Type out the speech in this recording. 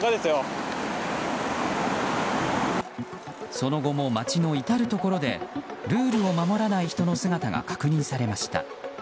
その後も、街の至るところでルールを守らない人の姿が確認されました。